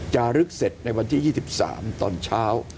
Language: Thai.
จะลึกเสร็จในวันที่๒๓ตอนเช้า